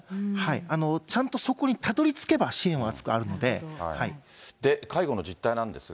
ちゃんとそこにたどりつけば、介護の実態なんですが。